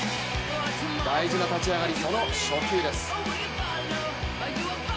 大事な立ち上がり、その初球です。